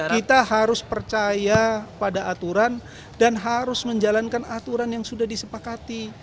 kita harus percaya pada aturan dan harus menjalankan aturan yang sudah disepakati